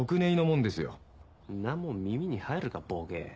んなもん耳に入るかボケ。